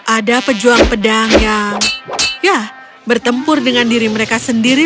ada pejuang pedang yang ya bertempur dengan diri mereka sendiri